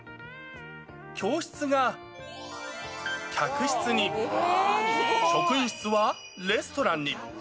教室が客室に、職員室はレストランに。